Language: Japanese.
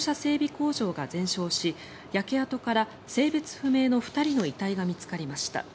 工場が全焼し焼け跡から性別不明の２人の遺体が見つかりました。